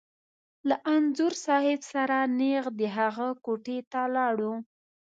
له انځور صاحب سره نېغ د هغه کوټې ته لاړو.